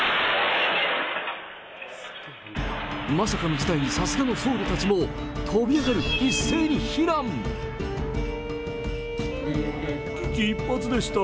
まさかの事態にさすがの僧侶たちも、飛び上がり、危機一髪でした。